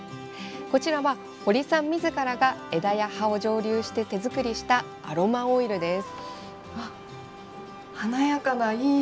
こちらは堀さんみずからが枝や葉を蒸留して手作りしたアロマオイルです。